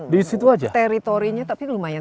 di situ aja teritorinya tapi lumayan